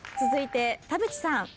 続いて田渕さん。